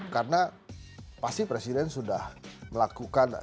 karena pasti presiden sudah melakukan